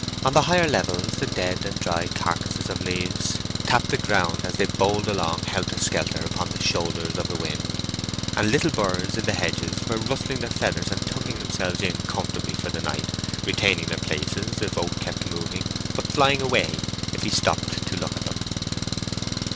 On the higher levels the dead and dry carcasses of leaves tapped the ground as they bowled along helter skelter upon the shoulders of the wind, and little birds in the hedges were rustling their feathers and tucking themselves in comfortably for the night, retaining their places if Oak kept moving, but flying away if he stopped to look at them.